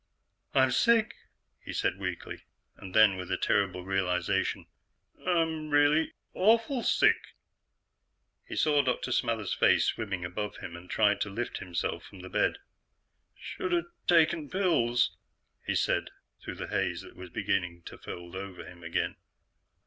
"I'm sick," he said weakly. Then, with a terrible realization, "I'm really awful sick!" He saw Dr. Smathers' face swimming above him and tried to lift himself from the bed. "Shoulda taken pills," he said through the haze that was beginning to fold over him again.